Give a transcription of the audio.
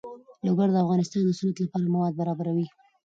لوگر د افغانستان د صنعت لپاره مواد برابروي.